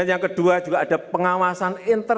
saya tidak terlalu keras menggunakan eta